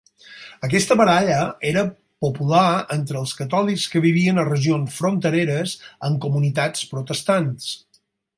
Aquesta baralla era popular entre els catòlics que vivien a regions frontereres amb comunitats protestants.